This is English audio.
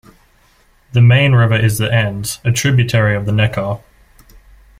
The main river is the Enz, a tributary of the Neckar.